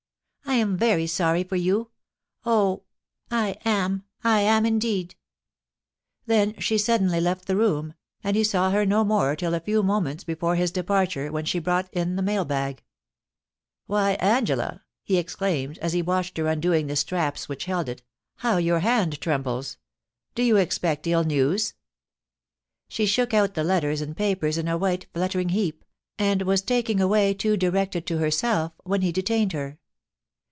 I am very sorry for you — oh ! I am — I am indeed !' Then she suddenly left the room, and he saw her no more till a few moments before his departure, when she brought in the mail bag. * ^Vhy, Angela !' he exclaimed, as he watched her undoing the straps which held it, ' how your hand trembles ! Do you expect ill news ?* She shook out the letters and papers in a white fluttering heap, and was taking away two directed to herself, when he detained her.